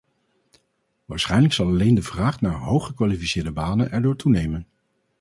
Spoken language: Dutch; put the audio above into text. Waarschijnlijk zal alleen de vraag naar hooggekwalificeerde banen erdoor toenemen.